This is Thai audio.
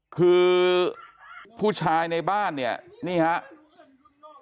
คือผู้ชายในบ้านเนี่ยนี่ครับ